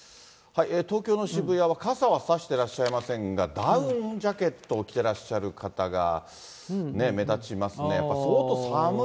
東京の渋谷は、傘は差してらっしゃいませんが、ダウンジャケットを着てらっしゃる方が目立ちますね。